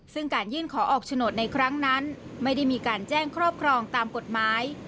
ซึ่งการยื่นขอออกโฉนดในครั้งนั้นไม่ได้มีการแจ้งครอบครองตามกฎหมาย